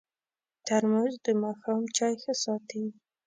ترموز د ماښام چای ښه ساتي.